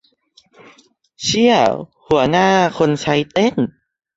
เชี้ย หัวหน้าคนใช้เต้น